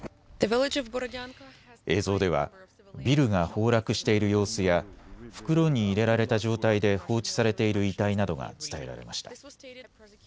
映像ではビルが崩落している様子や袋に入れられた状態で放置されている遺体などが伝えられました。